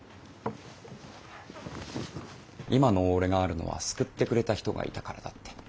今の俺があるのは救ってくれた人がいたからだって。